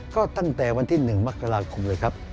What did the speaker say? ก็ตั้งแต่วันที่๑มกราคมเลยครับ